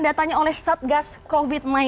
datanya oleh satgas covid sembilan belas